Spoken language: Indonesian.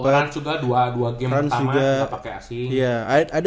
rans juga dua game pertama gak pake asing